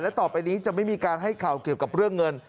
ต่อไปนี้จะไม่มีการให้ข่าวเกี่ยวกับเรื่องเงิน